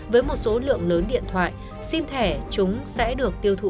với một số lượng lớn điện thoại sim thẻ chúng sẽ được tiêu thụ ở đâu